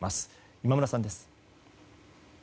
今村さんです。